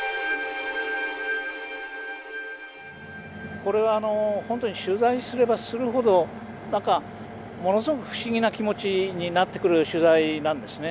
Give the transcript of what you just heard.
これは本当に取材すればするほどものすごく不思議な気持ちになってくる取材なんですね。